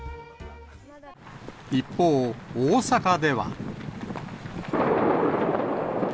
一方、大阪では。